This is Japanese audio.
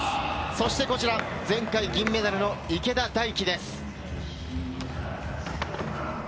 そして、こちら前回、銀メダルの池田大暉です。